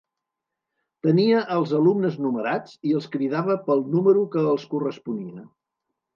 Tenia els alumnes numerats i els cridava pel número que els corresponia.